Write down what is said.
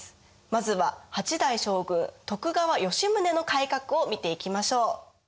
まずは８代将軍・徳川吉宗の改革を見ていきましょう。